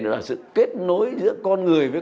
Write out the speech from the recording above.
là sự kết nối giữa con người với